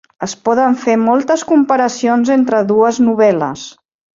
Es poden fer moltes comparacions entre les dues novel·les.